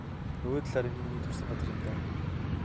Нөгөө талаар энэ нь миний төрсөн газар юм даа.